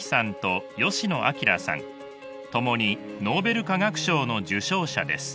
共にノーベル化学賞の受賞者です。